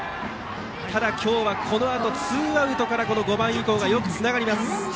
ただ、今日はこのあとツーアウトから５番以降がよくつながります。